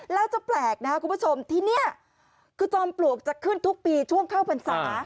แล้วจะแปลกนะทีนี้คือจอมปลวกจะขึ้นทุกปีช่วงเข้าผลศา